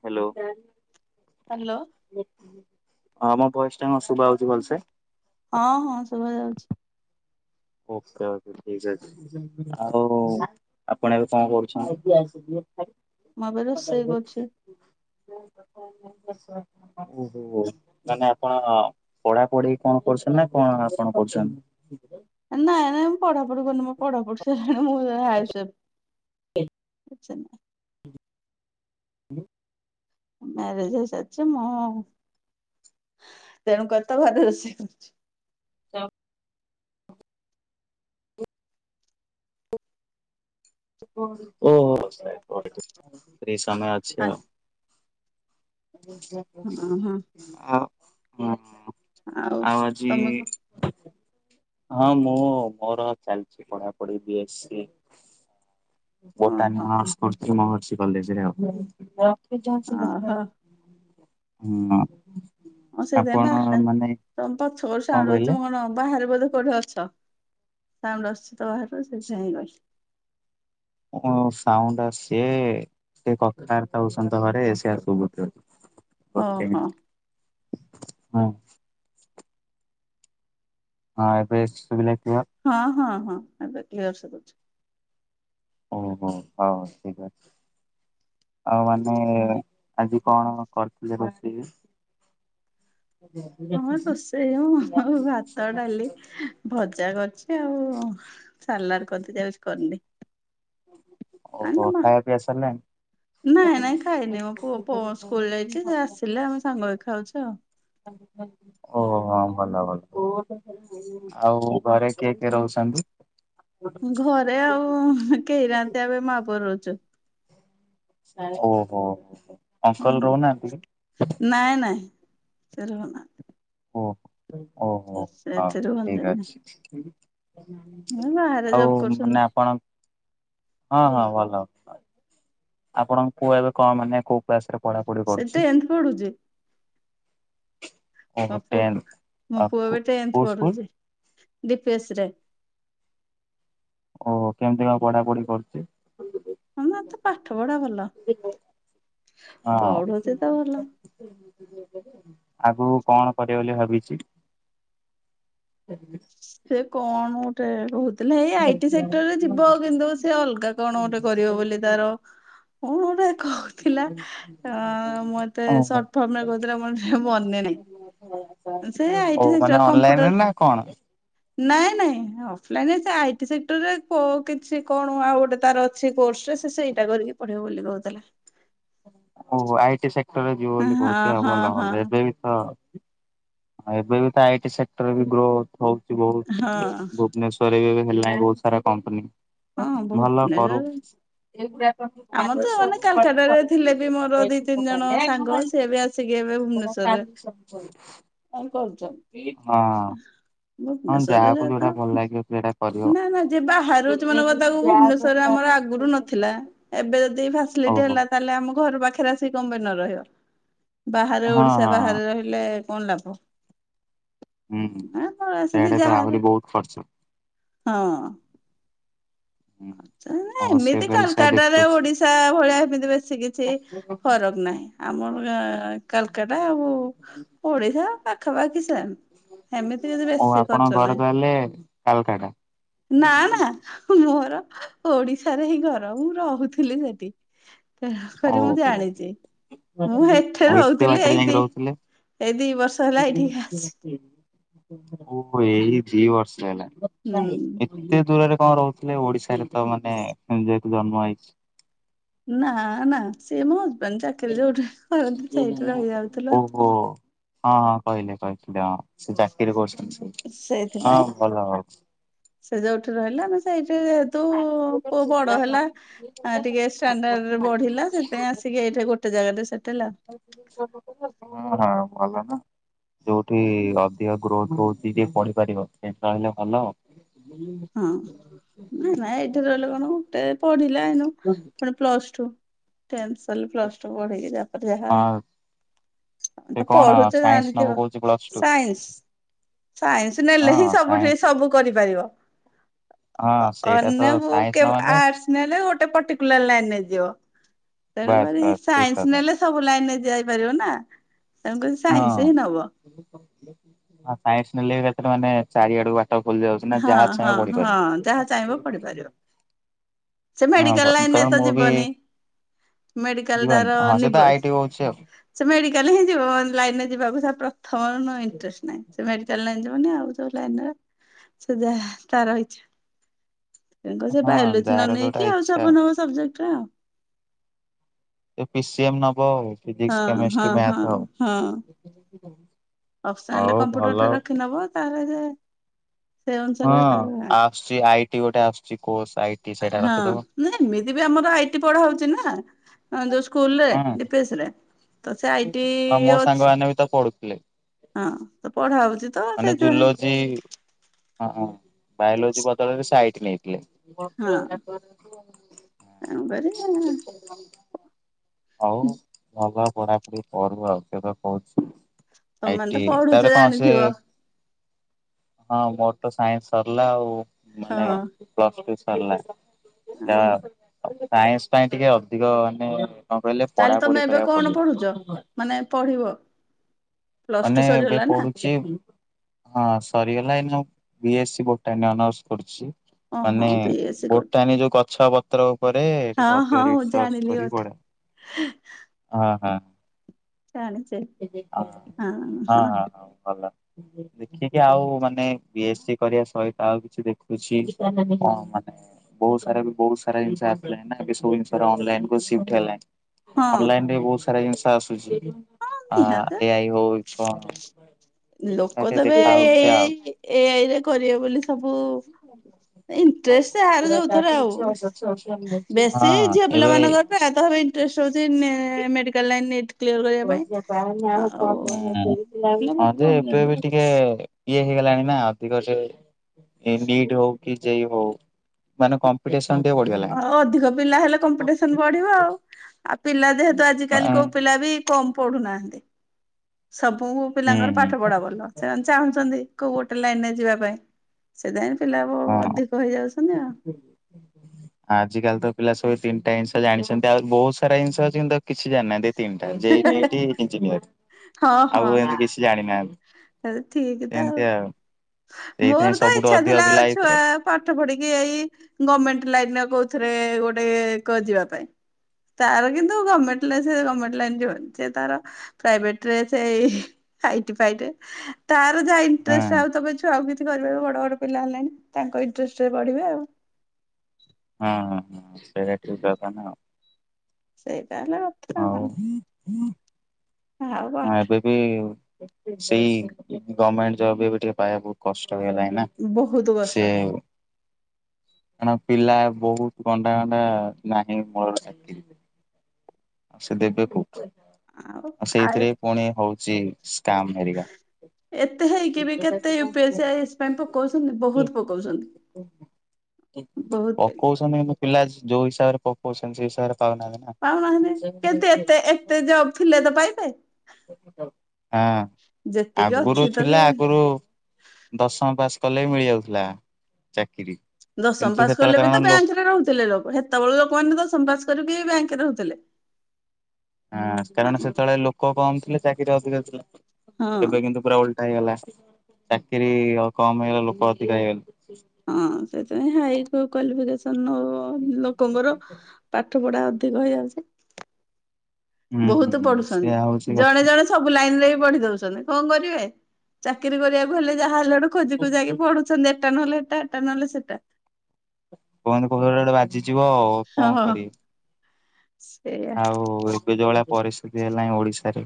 Hello. Hello. ହଁ ମୋ ବୟସ୍ ଟା କଣ ଶୁଭା ହଉଛି ଭଲସେ। ହଁ ହଁ, ଶୁଭା ଯାଉଚି। ଓକେ ଓକେ, ଠିକ ଅଛି, ଆଉ ଆପଣ ଏବେ କଣ କରୁଚନ୍ତି? ମୁଁ ଏବେ ରୋଷେଇ କରୁଛି। ଓହୋ। ନା ନା ଆପଣ ପଢ଼ାପଢି଼ କଣ କରୁଚନ୍ତି ନା, କଣ ଆପଣ କରୁଚନ୍ତି? ନାଇଁ ନାଇଁ, ମୁଁ ପଢ଼ାପଢି଼ କରୁନି, ମୋ ପଢ଼ାପଢି଼ ସଇଲାଣି, ମୁଁ ଜଣେ [unintelligible] ଅଛ ନାଁ? [unintelligible] ମ୍ୟାରେଜ ହେଇ ସାରିଚି ମୁଁ, ତେଣୁ କରି ତ ଘରେ ରୋଷେଇ କରୁଚି। [unintelligible] ଓହୋ, ସେ ସମୟ ଅଛି ଆଉ। ହଁ ହଁ ଆ, ହୁଁ ଆଉ, ତମକୁ? ହଁ, ମୁଁ, ମୋର ଚାଲିଚି ପଢାପଢି ବି ଏସ୍ ସି। ବୋଟାନି ଓହୋ। ଅନର୍ସ କରୁଥିଲି, ମହର୍ଷି କଲେଜେରେ ଆଉ। ହୁଁ ଉଁ। ଓହୋ ହଁ, ସେଇଥିପାଇଁ ବାହାରେ, ତମେ ପଛ କରୁ କଣ ସାଉଣ୍ଡ କହିଲେ? ହଉଚି, ମୁଁ କଣ ବାହାରେ ବୋଧେ କୋଉଠି ଅଛ? ତ, ସାଉଣ୍ଡ ଆସୁଚି ତ ବାହାରୁ, ସେଇଥି ପାଇଁ [unintelligible] କଣ ସାଉଣ୍ଡ ଆସୁଚି? [unintelligible] ଗୋଟେ ଓହୋ ମିନିଟ୍, ହଁ। ହଁ, ଏବେ ଶୁବିଲା କ୍ଳିଅର? ହଁ ହଁ ହଁ, ଏବେ କ୍ଳିଅର ଶୁବୁଚି। ଓହୋ, ହଁ [unintelligible] ଆଉ ମାନେ, ଆଜି କଣ କରିଥିଲେ ରୋଷେଇରେ? ହଁ, ରୋଷେଇ ହଉ ଭାତ, ଡାଲି ଭଜା କରିଚି ଆଉ, ସାଲାଡ କରିଦେ ଯାଉଛି କରିନି। ଆ ନା ଓହୋ, ମା ଖାଇବା ପିଆ ସରିଲାଣି? ନାଇଁ ନାଇଁ ଖାଇନି, ମୋ ପୁଅ ସ୍କୁଲ ଯାଇଚି, ସେ ଆସିଲେ ଆମେ ସାଙ୍ଗ ଖାଉଚୁ ଆଉ। ଓ ହୋ, ଭଲ ଭଲ। ଆଉ ଘରେ କିଏ କିଏ ରହୁଚନ୍ତି? ଘରେ ଆଉ କେହି ନାହାନ୍ତି, ଏବେ ମାପୁଅ ରହୁଚୁ। ଓହୋ, ହୋ, ହୋ। ହ, ନାଇଁ ନାଇଁ, ସେ ରହୁନାହାନ୍ତି। ଓହୋ, ଓହୋ, ହଁ ସେଠି ଠିକ ରୁହନ୍ତିନି ଅଛି। ଏ ବାହାରେ ଜବ୍ ଆଉ, କରୁଛନ୍ତି। ମାନେ ଆପଣ? ହଁ ହଁ ଭଲ, ଆପଣଙ୍କ ପୁଅ ଏବେ କଣ, ମାନେ କୋଉ କ୍ଲାସ ରେ ପଢାପଢି ସେ କରୁଛି? ଟେନ୍ଥ ପଢୁଛି ଓହୋ ମୋ ପୁଅ ଟେନ୍ ମୋ ପୁଅ ଏବେ କୋଉ ଟେନ୍ଥ ସ୍କୁଲ ପଢୁଛି, ଦୀପେଶ ରେ। ଓହୋ, କେମିତି କଣ ପଢାପଢି କରୁଚି? ହଁ ତା ପାଠ ପଢା ଭଲ ହଁ। ପଢୁଛି ତ ଭଲ। ଆଗକୁ କଣ କରିବ ବୋଲି ଭାବିଚି? [unintelligible] ସେ କଣ ଗୋଟେ କହୁ ତାହାଲେ ହେଇ ଆଇଟି ସେକ୍ଟର ରେ ଯିବ, କିନ୍ତୁ ସେ ଅଲଗା କଣ ଗୋଟେ କରିବ ବୋଲି ତାର କଣ ଗୋଟେ କହୁଥିଲା ଅ ମତେ ଓହୋ। ସର୍ଟ ଫର୍ମରେ କହୁଥିଲା ମୋର ମନେ ନାହିଁ। [unintelligible] ଓ ମାନେ ସେଇ କମ୍ପ୍ୟୁଟର [unintelligible] ନାଇଁ ନାଇଁ ଅଫଲାଇନ ଆଇ ସେକ୍ଟରରେ କିଛି କଣ ଆଉ ଗୋଟେ ତାର ଅଛି କୋର୍ସ। ସେ ଏଇଟା କରିକି ପଢିବ ବୋଲି ସେ କୋହୁଥିଲା। ଓ ଆଇଟି ସେକ୍ଟରରେ ଯିବ ହଁ ବୋଲି କହୁଛି ଆଉ ହଁ ଭଲ ହଁ ଭଲ ଏବେ ବି ତ ଏବେ ବି ତ ଆଇଟି ସେକ୍ଟରରେ ବି ଗ୍ରୋଥ ହଉଛି ବହୁତ, ହଁ [unintelligible] ଭୁବନେଶ୍ୱରରେ ବି ହେଲାଣି ବହୁତ ସାରା କମ୍ପାନୀ। ହଁ ବୋହୁତ ଭଲ କରୁ [unintelligible] ଆମ ତ ମାନେ କାଲକାଟ ରେ ଥିଲେ ବି ମୋର ଦିଇ ତିନି ଜଣ ସାଙ୍ଗ ସିଏ ବି ଆ [unintelligible] ଏବେ ଭୁବନେଶ୍ୱର ରେ କଣ କରୁଚ? ହଁ ହଁ ଭୁବନେଶ୍ୱର ରେ ଯାହାକୁ ଯୋଉଟା ତ ଭଲ ଲାଗିବ ସେଇଟା କରିବ ନାଁ ନାଁ ଯିବା [unintelligible] ତାକୁ ଭୁବନେଶ୍ୱର ରେ ଆମର ଆଗରୁ ନଥିଲା ଏବେ ଯଦି ଫାସିଲିଟି ଓହୋ ହେଲା ତାହେଲେ ଆମ ଘର ପାଖରେ ଆସିକି କ ପାଇଁ ନ ରହିବ, ବାହାରେ ହଁ ଓଡିଶା ହଁ। ବାହାରେ ରହି ହେଲେ କଣ ଲାଭ ହୁଁ ଏ ପଳେଇ ଆସନ୍ତି ସେଆଡେ ତ ଯାହାର [unintelligible] ହଁ। ଓ ସେ ଏମିତିକା ତାହେଲେ ସେ କାଲକାଟା ରେ ଦେଖୁଛି ଓଡିଶା ଭଳିଆ ଏମିତି ବେସି କିଛି ଫରକ ନାହିଁ। ଆମର କାଲକାଟା ଆଉ ଓଡିଶା ପାଖାପାଖି ଟା। ଏମିତି କିଛି ଓ ବେଶୀ ଆପଣଙ୍କ ଖର୍ଚ୍ଚ ଘର ନାହି, ତାହେଲେ କାଲକାଟା। ନା ନା। ମୋର ଓଡିଶାରେ ହିଁ ଘର, ମୁଁ ରହୁଥିଲି ସେଠି। [unintelligible] ମୁଁ ଓହୋ ଜାଣିଚି। ମୁଁ ହେଠେ ଆଉ ଏତେ ରହୁଥିଲି ବାଟରେ ଏଇ ଯାଇକି ଦି ରହୁଥିଲେ ଏଇ ଦି ବର୍ଷ ହେଲା ଏଇଠିକ ଆସିଚି। ଓ ଏଇ ଦି ବର୍ଷ ହେଲା। [unintelligible] ହୁଁ ଏତେ ଦୂରରେ କଣ ରହୁଥିଲେ ଓଡିଶାରେ ତ ମାନେ ଜ ଜନ୍ମ ହେଇ ନା ନା ସିଏ ମୋ ହଜବେଣ୍ଡ ଚାକିରି ଯୋଉଠି କରନ୍ତି ସେଇଠି ରହିଯାଉଥିଲୁ। ଓହୋ। ହଁ ହଁ କହିଲେ କହିଥିଲେ ହଁ ସେ ଚାକିରିରେ କରୁଛନ୍ତି ହଁ ସେଇଥିପାଇଁ ଭଲ। ସେ ଯୋଉଠି ରହିଲା ଆମେ ସେଇଠି ଯେହେତୁ, ପୁଅ ବଡ ହେଲା ଆ ଟିକେ ଷ୍ଟାଣ୍ଡାର୍ଡରେ ବଢିଲା ସେଥିପାଇଁ ଆସିକି ଏଇଠି ଗୋଟେ ଜାଗାରେ ସେଟେଲ ଆଉ। ହଁ ଭଲ ତ। ଯୋଉଠି ଅଧିକ ଗ୍ରୋଥ ହଉଛି ଟିକେ ପଢିପାରିବ ସେଇଠି ରହିଲେ ଭଲ। ହଁ ନାଇଁ [unintelligible] ରହିଲ କଣ ଗୋଟେ ପଢିଲା ଏଇନୁ [unintelligible] ପ୍ଲସ୍ ଟୁ ଟେନ୍ ସିଲେ ପ୍ଲସ ଟୁ ପଢେଇକି ତାପରେ ଯାହାହାଁ ହଁ ସେ ଆଉ। ତ କଣ ପଢୁଛ ସାଇନ୍ସ ନବୁ ଜାଣିଥିବ କହୁଛି ପ୍ଲସ ଟୁ ସାଇନ୍ସ। ସାଇନ୍ସ ନେଲେ ହଁ ହିଁ ସବୁଠି ସାଇନ୍ସ। ସବୁ କରିପାରିବ। ହଁ ସେଇଟା ତ ଅନ୍ୟ ସାଇନ୍ସ ନ ବୁକେ ମାନେ ଆର୍ସ ନେଲେ ଗୋଟେ ପର୍ଟିକୁଲାର ଲାଇନରେ ଯିବ। ବାସ୍ ତେଣୁକରି ବାସ୍ ଠିକ ସାଇନ୍ସ କଥା ନେଲେ ସବୁ ଲାଇନରେ ଯାଇପାରିବ ନା ତେଣୁକରି ହଁ। ସାଇନ୍ସ ହିଁ ନବ। ସାଇନ୍ସ ନେଲେ କେତେ [unintelligible] ମାନେ [unintelligible] ସବୁ ଖୋଲି ଯାଉଚି ନା ହଁ ଯାହା ହଁ ଚାହିଁବ ହଁ [unintelligible] ଯାହା ଚାହିଁବ ପଢିପାରିବ ସେ ହଁ ବ ମେଡିକାଲ ଲାଇନରେ କାରଣ ତ ମୁଁ ବି ଯିବନି। ମେଡିକାଲ ଜୀବନ ତାର ହଁ ସେ ତ [unintelligible] ଆଇଟି ହଉଛି ଆଉ। ସେ ମେଡିକାଲ ହିଁ ଯିବ ଲାଇନରେ ଯିବାକୁ ପ୍ରଥମରୁ ଇଣ୍ଟରେଷ୍ଟ ନାହିଁ ସେ ମେଡାଲ ଲାଇନ ଯିବନି ଆଉ। [unintelligible] ସେ ଯାହା ତାର ଇଚ୍ଛା। ହଁ ଯାହାର ଯୋଉଟା ଇଚ୍ଛା। କୋଉ ସବଜେକ୍ଟରେ ଆଉ? ପିିସିଏମ୍ ନବ ଫିଜିକ୍ସ୍ ହଁ ହଁ କେମିଷ୍ଟ୍ରି ହଁ ମ୍ୟାଥ ଆଉ। ଅପସ୍ ନାଲରେ ହଉ ଭଲ କମ୍ପ୍ୟୁଟରଟା ରଖି ନବ ତାର ଯେ ସେ ହଁ ଅନୁସାରେ ତାର ଆସୁଛି ଆଇ ଟି ଗୋଟେ ଆସୁଛି କୋସ୍ର୍ ଆଇ ହଁ ନା ଏମିତି ବି ଆମର ଆଇଟି ପଢା ହଉଛି ନା। ହଁ ଯୋଉ ସ୍କୁଲରେ ହଁ ଡିପିଏସେ୍ରେ ତ ସେ ଆଇଟି ଆଉ ମୋ ଅଛି। ସାଙ୍ଗମାନେ ବି ତ ପଢୁଥିଲେ ହଁ ତ ପଢା ହଉଛି ତ ମାନେ ସେଇଥିପାଇଁ ଜୁଲୋଜି ହଁ ହଁ ବାୟୋଲୋଜି ବଦଳରେ ଆଇଟ୍ ନେଇଥିଲେ। ତେଣୁ କରିଏଁ। ହଉ ଭଲ ପଢାପଢି କରୁ ଆଉ ତ କହୁଛି। ତମମାନେ ଆଇଟି ତ ପଢୁଛ ତାର କଣ ସେ ଜାଣିଥିବ ହଁ ମୋର ତ ସାଇନ୍ସ୍ ସରିଲା ଆଉ ମୁନେ ହଁ। ପ୍ଲସଟୁ ସରିଲା। ଓହୋ ସାଇନ୍ସ୍ ପାଇଁ ଟିକେ ଅଧିକ ମାନେ କଣ କହିଲେ ପଢାପଢି କରିବାକୁ ପଡିବ। କରୁଚ ମାନେ ପଢିବ? ପ୍ଲସ ଟୁ ମାନେ ଏବେ ସରିଗଲା ନା ପଡୁଚି। ହଁ ସରିଗଲା ଏଇନା B S C botany honours କରୁଚି। ଓହୋ ମାନେ ବି ଏସ୍ ସି କରୁଛ। ବୋଟାନି ଯୋଉ ଗଛ ପତ୍ର ଉପରେ ହଁ ଟିକେ ହଁ ଅଧିକ ମୁଁ ରିସର୍ଚ୍ଚ ଜାଣିଲି କରି ଗୋଟେ ପଡେ। ହଁ ହଁ ଜାଣିଛି ହଁ ହଁ ହଁ ଭଲ। ଦେଖିକି ଆଉ ମାନେ ବି ଏସ୍ ସି କରିବା ସହିତ ଆଉ କିଛି ଦେଖୁଛି ହଁ ମାନେ ବହୁତ ସାରା ବି ବହୁତ ସାରା ଜିନିଷ ଆସିଲାଣି ଏ ସବୁ ଜିନିଷ ଅନଲାଇନିକୁ ସିପିଟ୍ ହେଲାଣି। ହଁ ଅନଲାଇନ୍ ରେ ବହୁତ ସାରା ଜିନିଷ ଆସୁଛି ହଁ ଆ ନିହାତି ଏ ଆଇ ହଉ କଣ ଆଉ ଲୋକ ଟିକେ ତେବେ ଦେଖା ହଉଛି ଆଉ। ଏଇ ଏଆଇ ରେ କରିବେ ବୋଲି ସବୁ। [inaudible] ଇଣ୍ଟେରେଷ୍ଟ ଆଗୁରୁ ହେଉଥୁଲା ଆଉ ବେଶୀ ହଁ ଝିଅ ପିଲା ଏବେ ମାନଙ୍କର ପାଇଁ ଆଧାର ଇ ଟ୍ରେସ ହେଉଛି ନେ ମେଡିକାଲ୍ ଲାଇନ୍ ନେଟେ କ୍ଲିୟର କରିବା ହୁଁ। ପାଇଁ। ଆଉ ହଁ ପିଲା ବହୁତ ଯେ କମ ଏବେ ନେବେ ବି ଟିକେ ଇଏ ହେଇଗଲାଣି ନା ଅଧିକ ସେ ଇଣ୍ଡିଏଇଟ୍ ହଉ କି ଯେ ଇ ହଉ ମାନେ କ ରେଶନ୍ ଟିକେ ବଢ଼ିଗଲା। ଅଧିକ ପିଲା ହେଲେ କମ୍ପିଟେସନ ବଢିବ ଆଉ ଆଉ ପିଲା ଯେହେତୁ ଆଜିିକାଲି କୋଉ ବଢିଗଲାଣି। ପିଲା ବି କମ୍ ପଢୁନାହାନ୍ତି। ସବୁ ହୁଁ ପିଲାଙ୍କର ହୁଁ ପାଠ ପଢା ଭଲ ସେମାନେ ଚାହୁଁଛନ୍ତି କୋଉ ଗୋଟେ ଲାଇନରେ ଯିବା ପାଇଁ। ସେଥିାପଇଁ ପିଲା ବ ହଁ ଅଧିକ ହେଇଯାଉଛନ୍ତି ଆଉ। ଆଜି କାଲି ତ ପିଲା ସବୁ ତିନିଟା ଜିନିଷଯାଣିଛନ୍ତି ଆଉ ବହୁତ ସାରା ଜିନିଷ ଅଛି କିନ୍ତୁ କିଛି ଜାଣିନାହାନ୍ତି। ତିନିଟା ଯେଇ, ନୀଟ୍, ଇଞ୍ଜିନିୟର ଆଉ ଏମିତି କିଛି ଜାଣିନାହାନ୍ତି। ହେରେ ଠିକ୍ ତ ଆଉ ସେଇଥିପାଇଁ ମୋର ତ ସବୁଠୁ ଇଚଛା ଅଧିକ ଥିଲା ପିଲା ଆଉ ଛୁଆ ଏଇଥିରେ ପାଠ ପଢିକି ଏଇ ଗଭମେଣ୍ଟେ ଲାଇନରେ କୋଉଥିରେ ଗୋଟେ କ ଯିବା ପାଇଁ। ତାର କିନ୍ତୁ ଗମେଣ୍ଟେ ଲାଇନ୍ ସେ ଗମେଣ୍ଟେ ଲାଇନ୍ ସେ ତାର ପ୍ରାଇଭେଟ ରେ ସେଇ ହାଇଟିଫାଇଡେ ତାର ଯାହା ହଁ ଇଣ୍ଟରେଷ୍ଟ ଆଉ ତମେ ଛୁଆ ଆଉ କିଛି କରିବ ବଡ ବଡ ପିଲା ହେଲେଣି ତାଙ୍କ ଇଣ୍ଟରେଷ୍ଟ ରେଵଢିବେ ଆଉ। ହଁ ହଁ ହଁ ସେଇଟି ଦବା ନା ଆଉ। ସେଇଟା ହେଲା କଥା ହଉ ହଁ ଆଉ ପାଠ ଏବେ ପିୟୁ ସେଇ ଗମେଣ୍ଟେ ଜବ ଏବେ ଟିକେ ପାଇବା ବହୁତ୍ କଷ୍ଟ ହେଇଗଲାଣି ନା। ବହୁତ କଷ୍ଟ। ସେ। କାରଣ ପିଲା ବହୁତ ଗଣ୍ଡା ଗଣ୍ଡା ନାହିଁ ମୂଳରୁ ଶେନ୍ତି। ଆଉ ସେ ଦେବେ କୋଉଠି ଆଉ ସେଇଥିରେ ପୁଣି ହଉଛି ସ୍କ୍ୟାମ୍ ହେରୀକା। ଏତେ ହେଇକି ବି କେତେ U P S, I A S ପାଇଁ ପକଉଛନ୍ତି ବହୁତ ପକଉଛନ୍ତି। ବହୁତ ପକଉଛନ୍ତି କିନ୍ତୁ ପିଲା ଯୋଉ ହିସାବରେ ପକଉଛନ୍ତି ସେଇ ହିସାବରେ ପାଉନାହାନ୍ତି ନା? ପାଉନାହାନ୍ତି କେତେ ଏତେ ଏତେ ଯବ୍ ଥିଲେ ତ ପାଇବେ? ହଁ ଯେତିକି ଆଗରୁ ଅଛି ତ ସେ ଥିଲା ଆଗୁରୁ ଦଶମ ପାସ୍ କଲେ ବି ମିଳି ଯାଉଥିଲା ଚାକିରି। ଦଶମ କିନ୍ତୁ ପାସ ସେତେବେଳେ କଲେ ବି କାରଣ ତ ଲୋ ବ୍ୟାଙ୍କରେ ରହୁଥିଲେ ଲୋକ ହେତେବେଳ ଲୋକମାନେ ଦଶମ ପାସ କରିକି ବି ବ୍ୟାଙ୍କରେ ରହୁଥିଲେ। ହଁ କାରଣ ଆଉ ସେତେବେଳେ ଲୋକ କମ ଥିଲେ ଚାକିରି ଅଧିକା ଥିଲା ହଁ ଏବେ କିନ୍ତୁ ପୁରା ଓଲଟା ହେଇଗଲା ଚାକିରି ଆଉ କମ ହେଇଗଲା ଲୋକ ଅଧିକା ହେଇଗଲେ। ହଁ ସେଥିପାଇଁ ହାଇ କ୍ଵାଲିଫିକେସନ ଲୋକଙ୍କର ପାଠ ପଢ଼ା ଅଧିକ ହେଇଯାଉଛି। ହୁଁ ବହୁତ ସେୟା ହଉଛି ପଢୁଛନ୍ତି ଜଣେ କଥା ଜଣେ ସବୁ ଲାଇନରେ ବି ପଢି ଦଉଛନ୍ତି କଣ କରିବେ ଚାକିରି କରିବାକୁ ହେଲେ ଯାହା ହେଲା ବଡୁ ଖୋଜି ଖୋକି ପଢୁ ସନ୍ଧ୍ୟା ଏଟା ନେଲେ ଏଟା ଏଟା ନହେଲେ ସେଟା [inaudible] ବେଳକୁ ବାଜିଯିବ ଆଉ କଣ ହଁ କରିବି? ସେଇଆ ଆଉ ଏବେ ଯୋଉ ଭଳିଆ ପରିସ୍ଥିତି ହେଲାଣି ଓଡିଶାରେ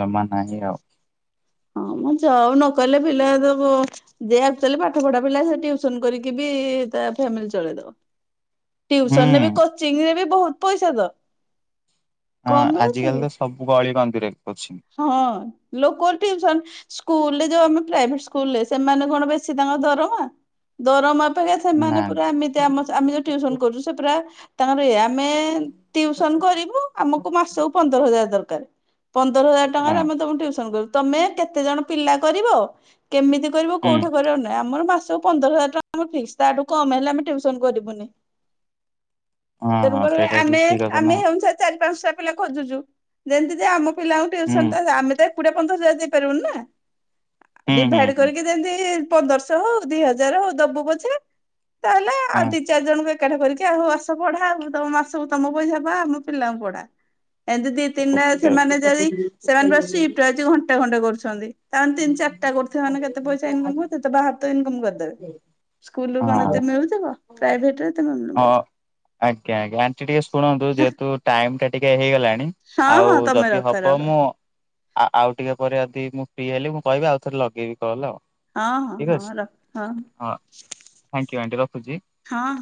ଜମା ନାହିଁ ଆଉ ହଁ ମ ଯବ୍ ନକଲେ ପିଲା ଦବ ଯିଏ ଆକଚୁଆଲି ପାଠ ପଢା ପିଲା ସେ ଟିଉସନ କରିକି ବି ତା ଫ୍ୟାମିଲି ଚଳେଇ ଦବ। ହୁଁ। ଟିଉସନରେ ବି କୋଚିଂରେ ବି ବହୁତ ପଇସା ତ କମ ହଁ ମିଳୁଛି ଆଜିକାଲି କି? ତ ସବୁ ଗଳି କନ୍ଦିରେ କୋଚିଙ୍ଗ ହଁ ଲୋକ ଟିଉସନ୍ ସ୍କୁଲରେ ଯୋଉ ଆମେ ପ୍ରାଇଭେଟ ସ୍କୁଲରେ ସେମାନେ କଣ ବେଶୀ ତାଙ୍କ ଦରମା ଦରମା ଅପେକ୍ଷା ନା ସେମାନେ ପୁରା ଏମତି ଆମେ ଯଉ ଟିଉସନ କରୁଛୁ ସେ ପୁରା ତାଙ୍କର ଏ ଆମେ ଟିଉସନ କରିବୁ ଆମକୁ ମାସକୁ ପନ୍ଦର ହଜାର ଦରକାର। ପନ୍ଦର ହଜାର ହଁ ଟଙ୍କାରେ ଆମେ ତମକୁ ଟ୍ୟୁସନ କରିବୁ ତମେ କେତେ ଜଣ ପିଲା କରିବ? କେମିତି କରିବ ହୁଁ। କୋଉଠି କରିବ ନାହିଁ ଆମର ମାସ ପନ୍ଦର ହଜାର ଟଙ୍କା ଫିକ୍ସ ତାଠୁ କମ ହେଲେ ଆମେ ଟ୍ୟୁସନ କରିବୁନି। ହଁ ହଁ ତେଣୁକରି ସେଇଟା ବି ଆମେ ଠିକ କଥା ନା ଆମେ ସେଇ ଅନୁସାରେ ଚାରି ପାଞ୍ଚଟା ପିଲା ଖୋଜୁଛୁ ଯେମିତି ଆମ ପିଲାଙ୍କୁ ହୁଁ ଟ୍ୟୁସନ ତ ଆମେ ତ ଏକୁଟିଆ ପନ୍ଦର ହଜାର ଦେଇପାରିବୁନିନା ହୁଁ ହୁଁ ଡିଭାଇଡ ହୁଁ କରିକି ଯେମିତି ପନ୍ଦରଶହ ହଉ ଦି ହଜାର ହଉ ଦବୁ ପଛେ ତାହେଲେ ଆଉ ହଁ ଦି ଚାରି ଜଣଙ୍କୁ ଏକାଠି କରିକି ଆଉ ଆସ ପଢା ଆଉ ତମ ମାସକୁ ତମ ପଇସା ବା ଆମ ପିଲାଙ୍କୁ ପଢା। [inaudible] ଘଣ୍ଟା ଓକେ ହଁ ଘଣ୍ଟେ ହଁ କରୁଛନ୍ତି ତାମାନେ ତିନି ଚାରିଟା କରୁ ମାନ କେତେ ପଇସା ଇନକମ ତେ ବା ଇନକମ୍ କରିଦେବେ ସ୍କୁଲୁ କଣ ଏତେ ମିଳୁଥିବ ପ୍ରାଇଭେଟରେ ଏତେ ମିଳୁ ହଁ ଆଜ୍ଞା ଆଜ୍ଞା ଆଣ୍ଟି ଟିକେ ଶୁଣନ୍ତୁ ଯେହେତୁ ଟାଇମଟା ଟିକେ ହେଇଗଲାଣି। ହଁ ହଁ ଆଉ ତମେ ଯଦି ରଖ ହବ ରଖ। ମୁଁ ଆଉ ଆଉ ଟିକେ ପରେ ଯଦି ମୁଁ ଫ୍ରି ହେଲି ମୁଁ କହିବି ଆଉ ଥରେ ଲଗେଇବି କଲ ଆଉ। ହଁ ହଁ ଠିକ ଅଛି ହଁ ରଖ ହଁ ହ ଥାଙ୍କ ୟୁ ଆଣ୍ଟି ରଖୁଚି। ହଁ।